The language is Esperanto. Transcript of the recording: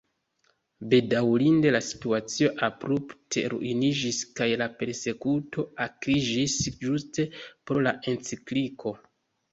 Bedaŭrinde la situacio abrupte ruiniĝis kaj la persekuto akriĝis ĝuste pro la encikliko.